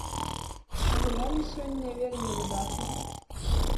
Гулялі сёння вельмі выдатна.